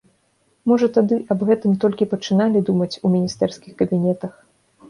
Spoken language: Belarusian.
Можа тады аб гэтым толькі пачыналі думаць у міністэрскіх кабінетах.